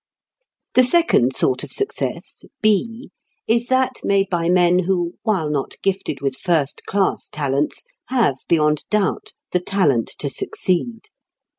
The second sort of success, B, is that made by men who, while not gifted with first class talents, have, beyond doubt, the talent to succeed.